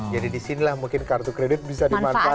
jadi disinilah mungkin kartu kredit bisa dimanfaatkan